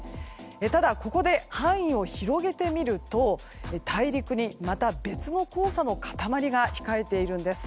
ただ、ここで範囲を広げてみると大陸にまた別の黄砂の固まりが控えているんです。